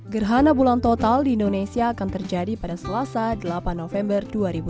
gerhana bulan total di indonesia akan terjadi pada selasa delapan november dua ribu dua puluh